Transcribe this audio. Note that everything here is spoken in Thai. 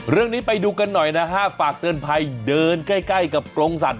เรื่องนี้ไปดูกันหน่อยนะฮะฝากเตือนภัยเดินใกล้ใกล้กับกรงสัตว